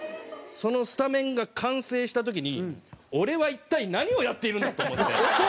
そのスタメンが完成した時に俺は一体何をやっているんだと思って。